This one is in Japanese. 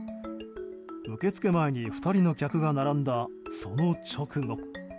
受付前に２人の客が並んだ、その直後。